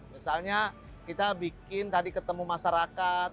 misalnya kita bikin tadi ketemu masyarakat